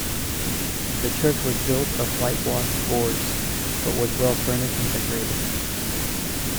The church was built of whitewashed boards but was well furnished and decorated.